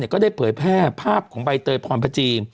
ก็ได้เผยแพร่ภาพของใบเตยพรพจีน